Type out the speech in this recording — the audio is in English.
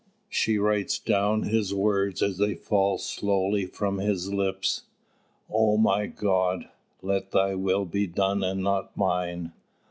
She writes down his words as they fall slowly from his lips: "O my God, let Thy will be done and not mine.